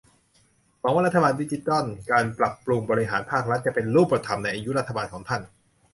หวังว่ารัฐบาลดิจิทัล การปรับปรุงบริการภาครัฐ จะเป็นรูปธรรมในอายุรัฐบาลของท่าน